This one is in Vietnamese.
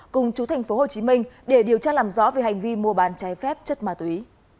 cùng chú thành phố hồ chí minh để điều tra làm rõ về hành vi mua bán trái phép chất ma túy